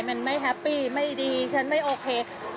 มันไม่แฮปปี้ไม่ดีฉันไม่โอเค